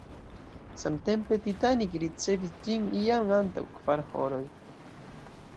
Samtempe "Titanic" ricevis ĝin jam antaŭ kvar horoj.